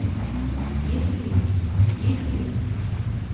— Ит лӱд, ит лӱд.